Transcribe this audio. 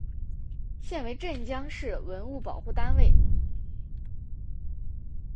现为镇江市文物保护单位。